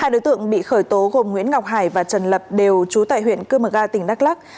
hai đối tượng bị khởi tố gồm nguyễn ngọc hải và trần lập đều trú tại huyện cương mực a tỉnh đắk lắc